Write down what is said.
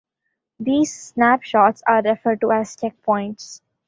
These snapshots are referred to as "checkpoints".